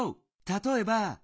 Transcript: たとえば。